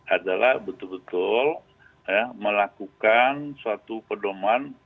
adalah betul betul melakukan suatu pedoman